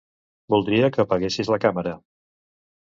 Voldria que apaguessis la Càmera.